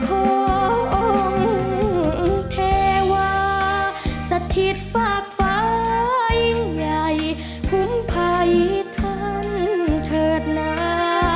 องค์เทวาสถิตฝากฟ้ายิ่งใหญ่คุ้มภัยท่านเถิดหนา